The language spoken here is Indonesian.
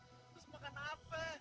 terus makan apa